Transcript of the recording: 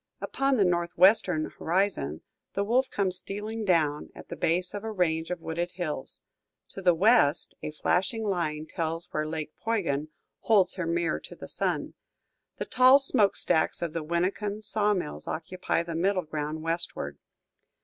Upon the northwestern horizon, the Wolf comes stealing down at the base of a range of wooded hills. To the west, a flashing line tells where Lake Poygan "holds her mirror to the sun." The tall smoke stacks of the Winneconne saw mills occupy the middle ground westward.